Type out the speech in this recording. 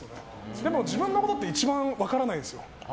でも、自分のことって一番分からないんですよ。